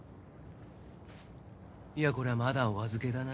いやこりゃまだお預けだな。